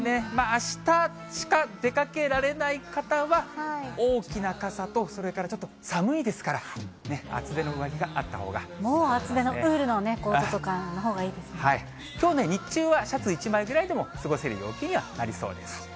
あしたしか出かけられない方は、大きな傘と、それからちょっと寒いですからね、もう厚手のウールのコートときょう、日中はシャツ１枚ぐらいでも過ごせる陽気にはなりそうです。